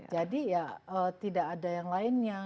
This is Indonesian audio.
jadi ya tidak ada yang lainnya